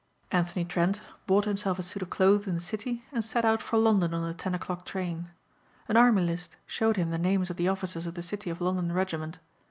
Anthony Trent bought himself a suit of clothes in the city and set out for London on the ten o'clock train. An Army List showed him the names of the officers of the City of London Regiment.